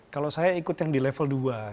kalau saya ikut yang di level dua